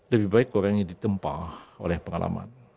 lebih baik orang yang ditempah oleh pengalaman